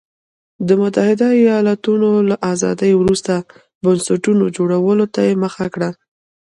د متحده ایالتونو له ازادۍ وروسته بنسټونو جوړولو ته مخه کړه.